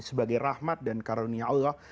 sebagai rahmat dan karunia allah